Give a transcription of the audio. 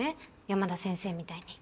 山田先生みたいに。